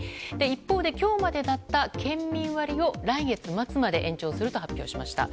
一方、今日までだった県民割を来月末まで延長すると発表しました。